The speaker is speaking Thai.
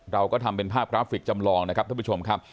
เราก็ทำเป็นภาพกราฟิกจำลองนะครับท่านผู้ชมครับ